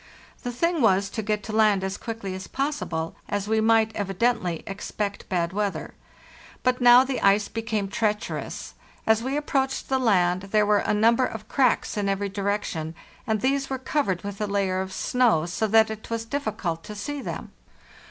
The thing was to get to land as quickly as possible, as we might evi dently expect bad weather. But now the ice became * Jackson's " Cape M'Clintock." 494 FARTIAE ST NOKLTE treacherous. As we approached the land there were a number of cracks in every direction, and these were covered with a layer of snow, so that it was difficult to see them.